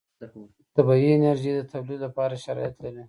د طبعي انرژي د تولید لپاره شرایط لري.